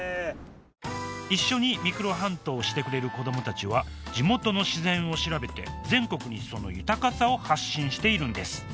一緒にミクロハントをしてくれる子どもたちは地元の自然を調べて全国にその豊かさを発信しているんです。